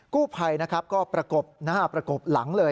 กูภัยก็ประกบหน้าประกบหลังเลย